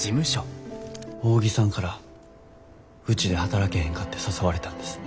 扇さんからうちで働けへんかて誘われたんです。